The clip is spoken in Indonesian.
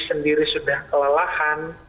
sendiri sudah kelelahan